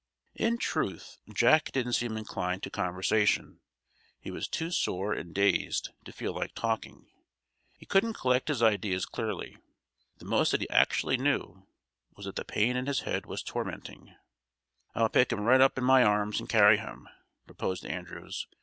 In truth, Jack didn't seem inclined to conversation. He was too sore and dazed to feel like talking. He couldn't collect his ideas clearly. The most that he actually knew was that the pain in his head was tormenting. "I'll pick him right up in my arms and carry him," proposed Andrews.